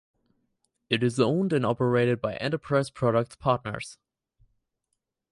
It is owned and operated by Enterprise Products Partners.